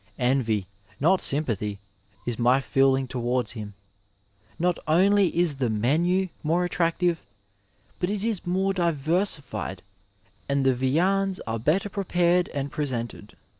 Envy, not sym pathy, is my feeling towards him. Not only is the menu more attractive, but it is more diversified and the viands are better prepared and presented.